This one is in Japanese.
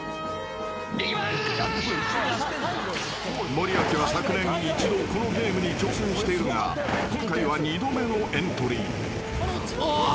［森脇は昨年一度このゲームに挑戦しているが今回は二度目のエントリー］